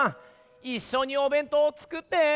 いっしょに「おべんとう」をつくって！